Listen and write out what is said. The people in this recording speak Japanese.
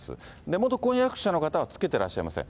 元婚約者の方はつけてらっしゃいません。